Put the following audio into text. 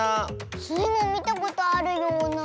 スイもみたことあるような。